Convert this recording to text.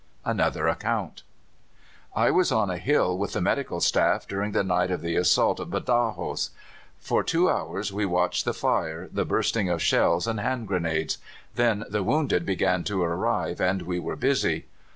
ANOTHER ACCOUNT. "I was on a hill with the medical staff during the night of the assault of Badajos. For two hours we watched the fire, the bursting of shells and hand grenades. Then the wounded began to arrive, and we were busy.